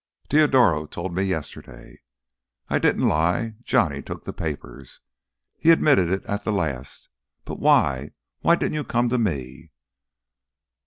"Teodoro told me—yesterday." "I didn't lie. Johnny took the papers." "He admitted it at the last. But why, why didn't you come to me?"